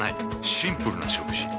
シンプルな食事。